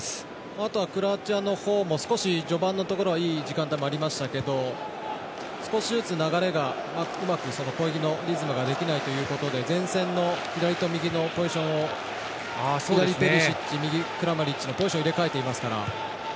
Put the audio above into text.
あとはクロアチアのほうも序盤のところはいい時間帯もありましたけど少しずつ流れがうまく攻撃のリズムができないということで前線の左と右のポジションを左、ペリシッチ右、クラマリッチのポジションを入れ替えていますから。